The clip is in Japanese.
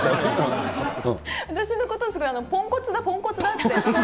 私のことですが、すごいポンコツだ、ポンコツだって。